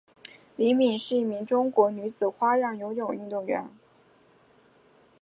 李敏是一名中国女子花样游泳运动员。